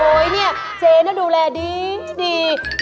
เฮ้ยนี่แม่ผู้ที่ต่างกุมก็ดูแปลงนะเยอะ